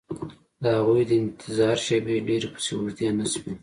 د هغوی د انتظار شېبې ډېرې پسې اوږدې نه شوې